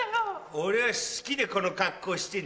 俺は好きでこの格好してんだよ。